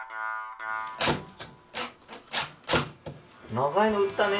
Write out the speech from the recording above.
長いの打ったね